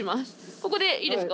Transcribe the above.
ここでいいですか？